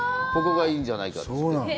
ここがいいんじゃないかと。